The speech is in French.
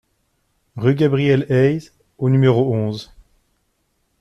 Rue Gabriel Hayes au numéro onze